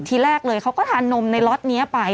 ทีแรกเลยเขาก็ทานนมในล็อตนี้ไป